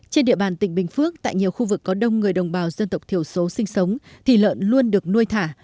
trên địa bàn tỉnh bình phước tại nhiều khu vực có đông người đồng bào dân tộc thiểu số sinh sống thì lợn luôn được nuôi thả